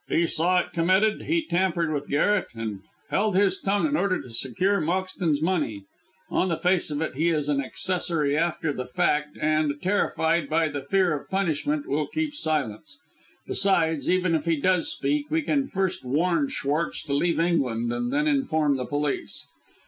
He saw it committed, he tampered with Garret, and held his tongue in order to secure Moxton's money. On the face of it, he is an accessory after the fact, and, terrified by the fear of punishment, will keep silence. Besides, even if he does speak, we can first warn Schwartz to leave England, and then inform the police.